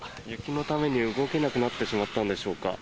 雪のために、動けなくなってしまったんでしょうか